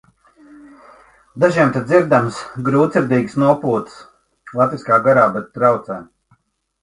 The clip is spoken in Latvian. Dažiem te dzirdamas grūtsirdīgas nopūtas. Latviskā garā, bet traucē!